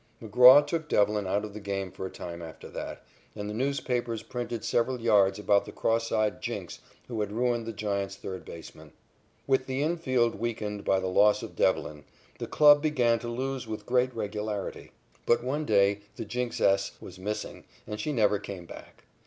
McGraw took Devlin out of the game for a time after that, and the newspapers printed several yards about the cross eyed jinx who had ruined the Giants' third baseman. With the infield weakened by the loss of Devlin, the club began to lose with great regularity. But one day the jinxess was missing and she never came back.